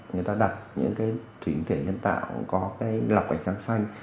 người ta đặt những cái thủy tinh thể nhân tạo có cái lọc ánh sáng xanh